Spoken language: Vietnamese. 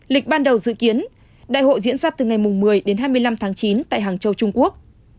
lịch ban đầu dự kiến đại hội diễn ra từ ngày một mươi đến hai mươi năm tháng chín tại hàng châu trung quốc